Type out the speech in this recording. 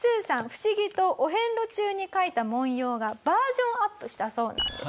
不思議とお遍路中に描いた文様がバージョンアップしたそうなんですね。